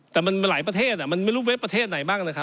แต่มันมีแหล่ยประเทศไม่รู้เว็บประเทศไหนบ้าง